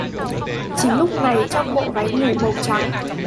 Chính lúc này trong bộ váy ngủ màu trắng